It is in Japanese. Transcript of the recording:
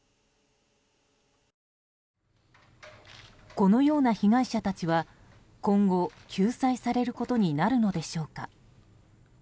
このような被害者たちは今後、救済されることになるのでしょうか。